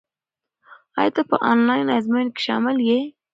ایا ته په انلاین ازموینه کې شامل یې؟